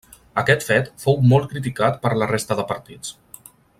Aquest fet fou molt criticat per la resta de partits.